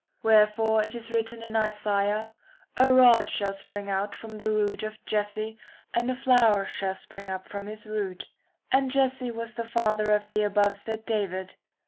Wherefore it is written in Isaiah ' a rod shall spring out of the root of Jesse and a flower shall spring up from his root.' And Jesse was the father of the above said David.